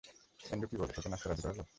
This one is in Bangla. অ্যান্ড্রু কী বলে তোকে নাচতে রাজি করালো?